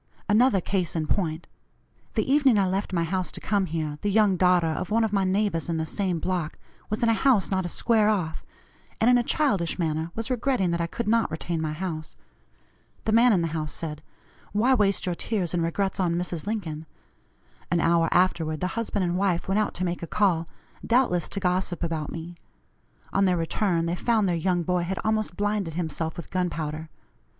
Another case in point: The evening I left my house to come here, the young daughter of one of my neighbors in the same block, was in a house not a square off, and in a childish manner was regretting that I could not retain my house. The man in the house said: 'Why waste your tears and regrets on Mrs. Lincoln?' An hour afterward the husband and wife went out to make a call, doubtless to gossip about me; on their return they found their young boy had almost blinded himself with gunpowder.